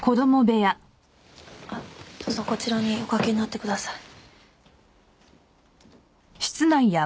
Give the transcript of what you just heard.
あっどうぞこちらにおかけになってください。